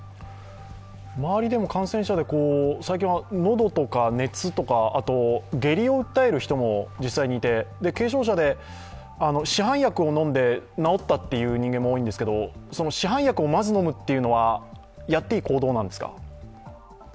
周りでも感染者で最近は喉とか熱とか、下痢を訴える人も実際にいて、軽症者で市販薬を飲んで治ったという人間も多いんですけど、市販薬をまず飲むっていうのは、やっていい行動なんですか？